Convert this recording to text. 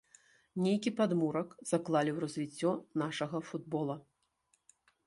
Нейкі падмурак заклалі ў развіццё нашага футбола.